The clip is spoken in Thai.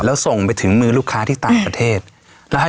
แล้วส่งไปถึงมือลูกค้าที่ต่างประเทศแล้วให้